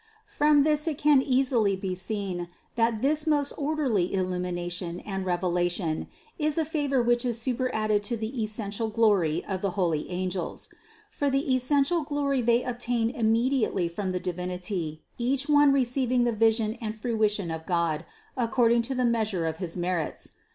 From this it can easily be seen, that this most orderly illumination and revelation is a favor which is superadded to the essential glory of the holy angels. For the essential glory they obtain immediately from the Divinity, each one receiving the vision and fruition of God according to the measure of his merits.